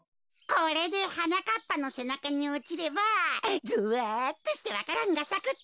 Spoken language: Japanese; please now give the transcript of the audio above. これではなかっぱのせなかにおちればゾワっとしてわか蘭がさくってか。